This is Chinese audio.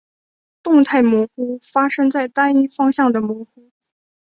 动态模糊发生在单一方向的模糊。